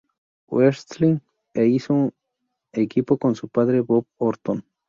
Wrestling" e hizo equipo con su padre, Bob Orton.